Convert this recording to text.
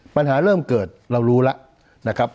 ปัญหาเริ่มเกิดเรารู้แล้วนะครับ